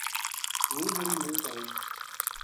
ہوں ذرے مُوت آئوں